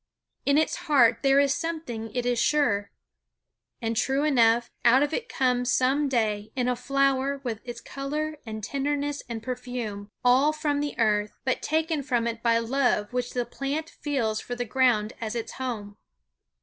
In its heart there is something it is sure. And true enough, out it comes some day in a flower with its color and tenderness and perfume; all from the earth, but taken from it by love which the plant feels for the ground as its home.